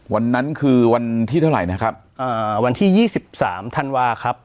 วันนั้นคือวันที่เท่าไหร่นะครับวันที่๒๓ธันวาคับ